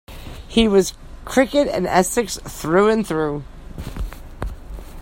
He was cricket and Essex, through and through..